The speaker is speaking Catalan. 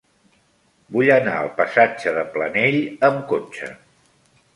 Vull anar al passatge de Planell amb cotxe.